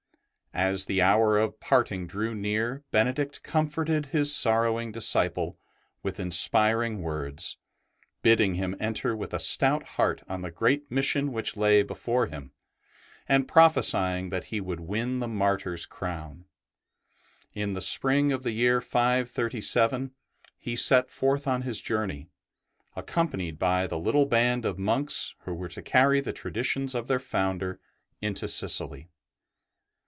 As the hour of parting drew near, Bene 91 92 ST. BENEDICT diet comforted his sorrowing disciple with inspiring words, bidding him enter with a stout heart on the great mission which lay before him, and prophesying that he would win the martyr's crown. In the spring of the year 537 he set forth on his journey, accom panied by the little band of monks who were to carry the traditions of their founder into Sicily.